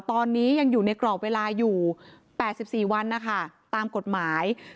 ตอนนี้ยังอยู่ในกรอบเวลาอยู่๘๔วันนะคะตามกฎหมาย